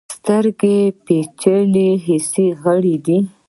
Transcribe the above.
سترګې پیچلي حسي غړي دي.